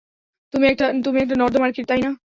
তুই একটা নর্দমার কীট, তাই না?